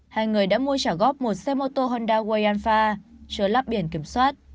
hai người đã mua trả góp một xe mô tô honda wayanfa chứa lắp biển kiểm soát